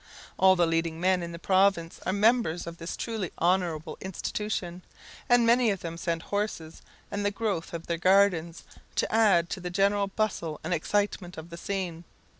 All the leading men in the province are members of this truly honourable institution; and many of them send horses, and the growth of their gardens, to add to the general bustle and excitement of the scene.